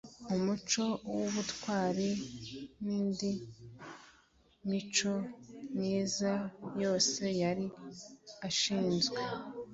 umuco w'ubutwari, n'indiimico myiza yose yari ashinzwe